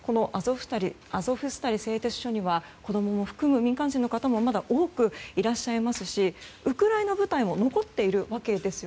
アゾフスタリ製鉄所には子供も含む民間人の方もまだ多くいらっしゃいますしウクライナ部隊も残っているわけです。